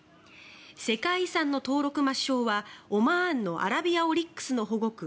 世界遺産の登録抹消はオマーンのアラビアオリックスの保護区